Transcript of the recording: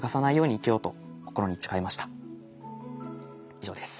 以上です。